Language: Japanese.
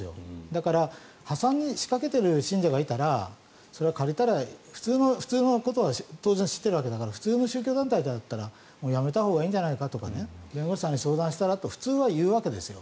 だから破産しかけている信者がいたらそれは借りたら普通のことは知ってるわけだから普通の宗教団体だったらやめたほうがいいんじゃないかとか弁護士さんに相談したらと普通は言うわけですよ。